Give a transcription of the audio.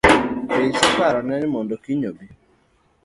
Be iseparo ne ni mondo kiny obi?